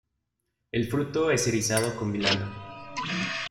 El fruto es erizado con vilano.